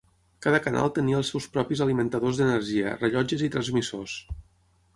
Cada canal tenia els seus propis alimentadors d'energia, rellotges i transmissors.